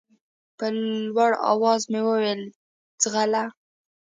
په لوړ اواز مې وويل ځغله.